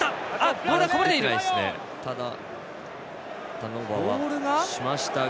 ターンオーバーしましたが。